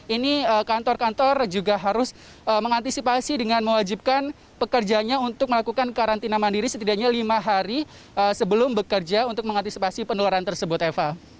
ini kantor kantor juga harus mengantisipasi dengan mewajibkan pekerjanya untuk melakukan karantina mandiri setidaknya lima hari sebelum bekerja untuk mengantisipasi penularan tersebut eva